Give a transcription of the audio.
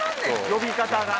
呼び方が。